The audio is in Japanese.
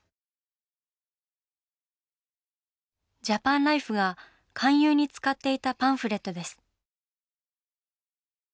ジャパンライフが勧誘に使っていたパンフレットです。